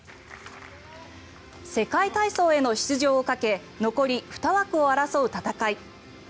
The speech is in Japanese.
世界体操への出場をかけ残り２枠を争う戦い。